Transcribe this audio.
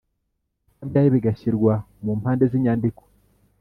utabyaye bigashyirwa mu mpande z inyandiko